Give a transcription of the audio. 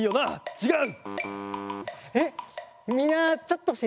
ちがう！